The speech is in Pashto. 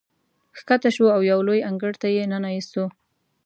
ښکته شوو او یو لوی انګړ ته یې ننه ایستو.